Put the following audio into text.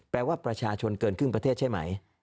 แปลว่าประชาชนเกินครึ่งประเทศใช่ไหม